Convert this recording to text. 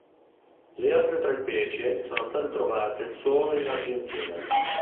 Le altre tre specie sono state trovate solo in Argentina.